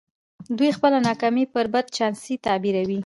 دوی خپله ناکامي پر بد چانسۍ تعبيروي.